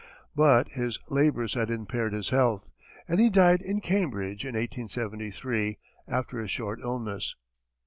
But his labors had impaired his health, and he died in Cambridge in 1873, after a short illness.